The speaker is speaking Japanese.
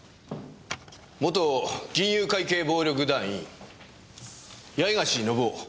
元銀友会系暴力団員八重樫信夫。